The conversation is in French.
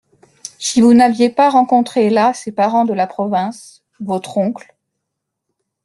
Si vous n’aviez pas rencontré là ces parents de la province… votre oncle…